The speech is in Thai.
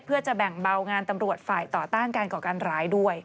เพื่อจะแบ่งเบางานตำรวจฝ่ายต่อต้านการก่อการร้ายด้วย